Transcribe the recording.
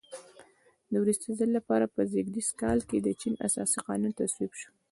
د وروستي ځل لپاره په زېږدیز کال کې د چین اساسي قانون تصویب شو.